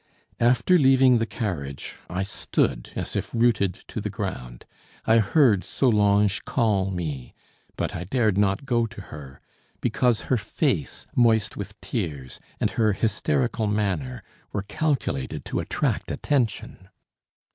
After leaving the carriage, I stood as if rooted to the ground. I heard Solange call me, but I dared not go to her, because her face, moist with tears, and her hysterical manner were calculated to attract attention.